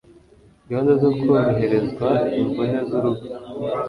gahunda zo kworoherezwa imvune z'urugo